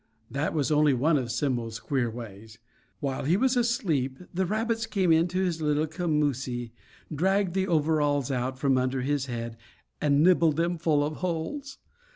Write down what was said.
That was only one of Simmo's queer ways. While he was asleep the rabbits came into his little commoosie, dragged the overalls out from under his head, and nibbled them full of holes.